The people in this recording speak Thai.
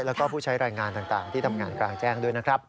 แล้วก็ผู้ใช้รายงานต่างที่ทำงานกลางแจ้งด้วยนะครับ